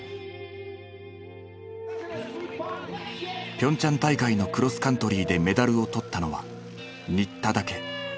ピョンチャン大会のクロスカントリーでメダルを取ったのは新田だけ。